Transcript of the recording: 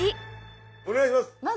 お願いします！